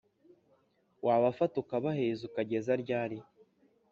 Wabafata ukabaheza ukageza ryari